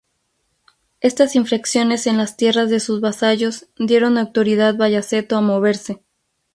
Estas infracciones en las tierras de sus vasallos dieron autoridad Bayaceto a moverse.